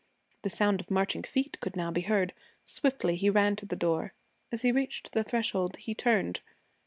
The sound of marching feet could now be heard. Swiftly he ran to the door. As he reached the threshold he turned.